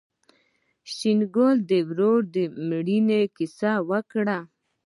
شېرګل د ورور د مړينې کيسه وکړه.